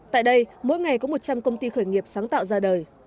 tại đây mỗi ngày có một trăm linh công ty khởi nghiệp sáng tạo ra đời